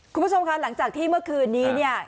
คุณผู้ชมค่ะหลังจากที่เมื่อคืนนี้เนี่ย